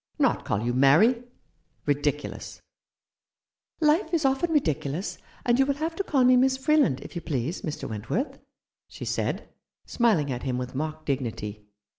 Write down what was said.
Not call you Mary ? Ridiculous !"" Life is often ridiculous ; and you will have to call me Miss Freeland, if you please, Mr. Went worth," she said, smiling at him with mock dignity.